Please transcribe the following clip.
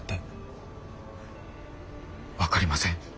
分かりません。